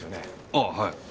ああはい。